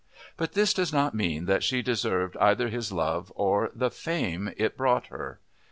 But this does not mean that she deserved either his love or the fame it brought her."